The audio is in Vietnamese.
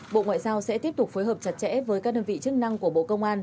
bộ ngoại giao sẽ tiếp tục phối hợp chặt chẽ với các đơn vị chức năng của bộ công an